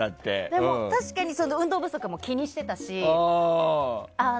でも、確かに運動不足も気にしてたし。